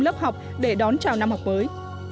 đáp học để đón chào năm học mới